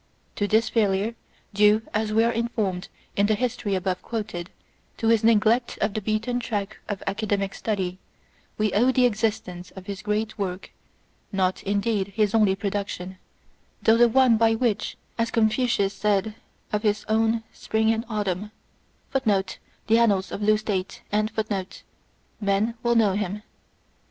To this failure, due, as we are informed in the history above quoted, to his neglect of the beaten track of academic study, we owe the existence of his great work ; not, indeed, his only production, though the one par excellence by which, as Confucius said of his own " Spring and Autumn," men will know him.